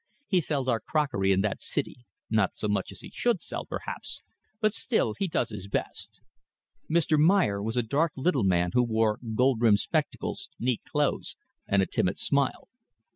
He sells our crockery in that city not so much as he should sell, perhaps, but still he does his best." Mr. Meyer was a dark little man who wore gold rimmed spectacles, neat clothes, and a timid smile.